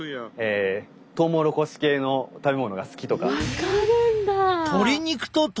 分かるんだ！